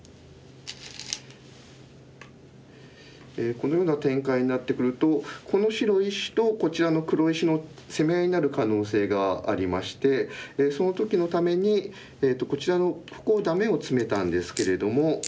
このような展開になってくるとこの白石とこちらの黒石の攻め合いになる可能性がありましてその時のためにこちらのここをダメをツメたんですけれども。